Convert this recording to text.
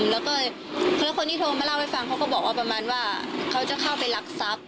แล้วก็คนที่โทรมาเล่าให้ฟังเขาก็บอกว่าประมาณว่าเขาจะเข้าไปรักทรัพย์